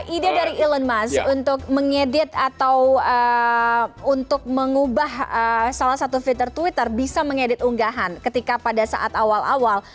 ide dari elon musk untuk mengedit atau untuk mengubah salah satu fitur twitter bisa mengedit unggahan ketika pada saat awal awal